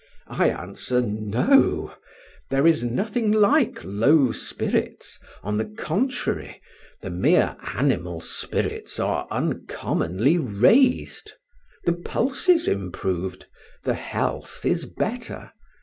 I answer, no; there is nothing like low spirits; on the contrary, the mere animal spirits are uncommonly raised: the pulse is improved: the health is better.